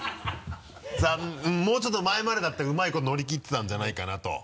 もうちょっと前までだったらうまいこと乗り切ってたんじゃないかなと。